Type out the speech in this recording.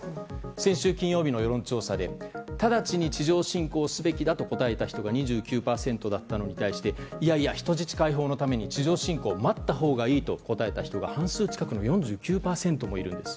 先週金曜日の世論調査で直ちに地上侵攻すべきだと答えた人が２９％だったのに対していやいや、人質解放のために地上侵攻を待ったほうがいいと答えた人が半数近くの４９％もいるんです。